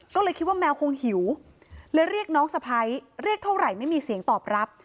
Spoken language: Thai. ก็เลยคิดว่าแมวคงหิวเลยเรียกน้องสะพ้ายเรียกเท่าไหร่ไม่มีเสียงตอบรับ